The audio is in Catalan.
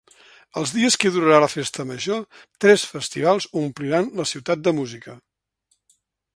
Els dies que durarà la festa major, tres festivals ompliran la ciutat de música.